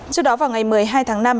trước đó vào ngày một mươi hai tháng năm